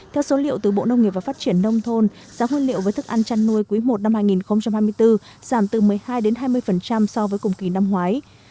theo số liệu từ bộ nông nghiệp và phát triển nông thôn giá nguyên liệu với thức ăn chăn nuôi quý i năm hai nghìn hai mươi bốn giảm từ một mươi hai hai mươi so với cùng kỳ năm ngoái